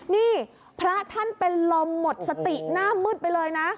นี่พระท่านเป็นลมหมดสติหน้ามืดไปเลยนะ